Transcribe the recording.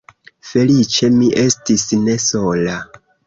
Feliĉe mi estis ne sola.